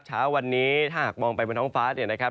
เช้าวันนี้ถ้าหากมองไปบนท้องฟ้าเนี่ยนะครับ